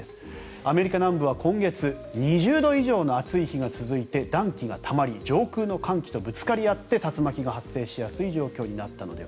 アメリカ南部は今月２０度以上の暑い日が続いて暖気がたまり上空の寒気とぶつかり合って竜巻が発生しやすい状況になったのでは。